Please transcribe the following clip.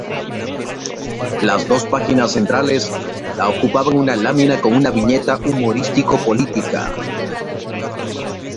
Las dos páginas centrales la ocupaban una lámina con una viñeta humorístico-política.